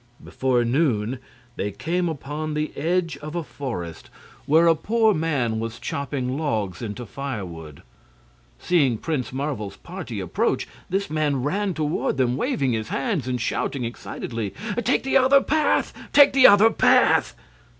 Before noon they came upon the edge of a forest, where a poor man was chopping logs into firewood. Seeing Prince Marvel's party approach, this man ran toward them waving his hands and shouting excitedly: "Take the other path! Take the other path!"